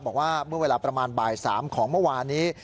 บอกว่าเมื่อเวลาประมาณบ่าย๓ของเมื่อวานนี้